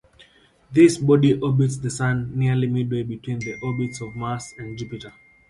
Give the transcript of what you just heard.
This body orbits the Sun nearly midway between the orbits of Mars and Jupiter.